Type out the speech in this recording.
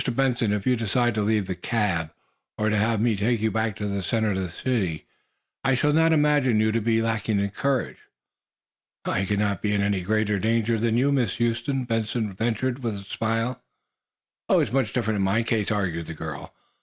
Benson, if you decide to leave the cab, or to have me take you back to the center of the city, I shall not imagine you to be lacking in courage." "I cannot be in any greater danger than you are, Miss Huston," Benson ventured, with a smile. "Oh, it is much different in my case," argued the girl.